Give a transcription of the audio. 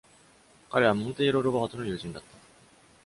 彼は、モンテイロ・ロバートの友人だった。